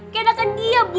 kayaknya dia bu